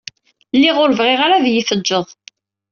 Lliɣ ur bɣiɣ ara ad yi-teǧǧeḍ.